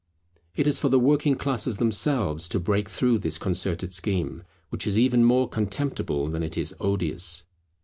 It is for the working classes themselves to break through this concerted scheme, which is even more contemptible than it is odious.